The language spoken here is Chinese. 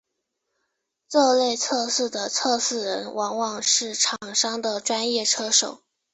这类测试的测试人往往是厂商的专业车手。